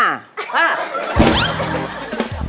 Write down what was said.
ฮะ